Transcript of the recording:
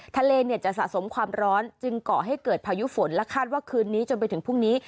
ทะเลเนี่ยจะสะสมความร้อนจึงเกาะให้เกิดพายุฝนและคาดว่าคืนนี้จนไปถึงพรุ่งนี้